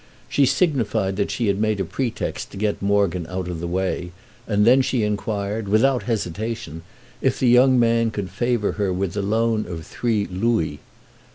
She signified that she had made a pretext to get Morgan out of the way, and then she enquired—without hesitation—if the young man could favour her with the loan of three louis.